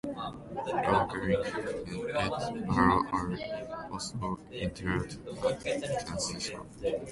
Lou Gehrig and Ed Barrow are also interred at Kensico.